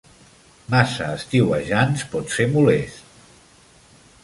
Massa estiuejants pot ser molest